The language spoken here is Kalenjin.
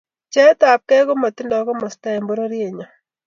pcheet ab kei ko matindoi komosta eng pororiet nyo